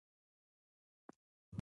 آیا ښځې په کورونو کې کار کوي؟